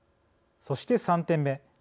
そして、３点目。